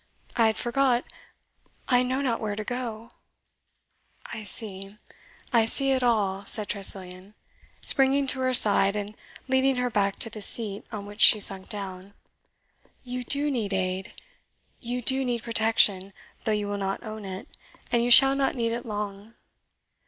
I had forgot I know not where to go " "I see I see it all," said Tressilian, springing to her side, and leading her back to the seat, on which she sunk down. "You DO need aid you do need protection, though you will not own it; and you shall not need it long.